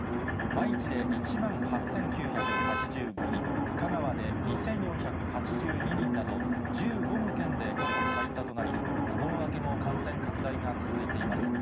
愛知で１万８９８５人、香川で２４８２人など、１５の県で過去最多となり、お盆明けも感染拡大が続いています。